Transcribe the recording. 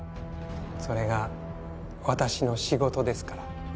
それが私の仕事ですから。